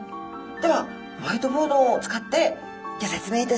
ではホワイトボードを使ってギョ説明いたします。